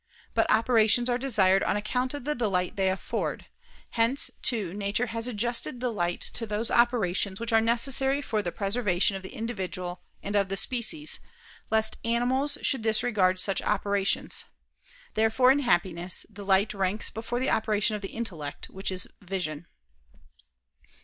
But operations are desired on account of the delight they afford: hence, too, nature has adjusted delight to those operations which are necessary for the preservation of the individual and of the species, lest animals should disregard such operations. Therefore, in happiness, delight ranks before the operation of the intellect, which is vision.